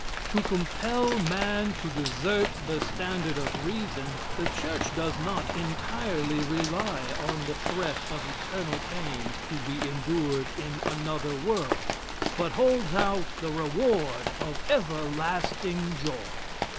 To compel man to desert the standard of Reason, the church does not entirely rely on the threat of eternal pain to be endured in another world, but holds out the reward of everlasting joy.